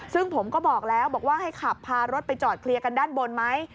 ซึ่งผมก็บอกแล้วบอกว่าให้ขับพารถไปจอดเคลียร์กันด้านบนไหม